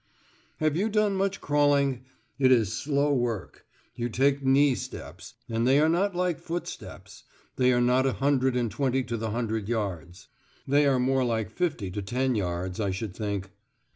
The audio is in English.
Have you done much crawling? It is slow work. You take knee steps, and they are not like footsteps: they are not a hundred and twenty to the hundred yards They are more like fifty to ten yards, I should think.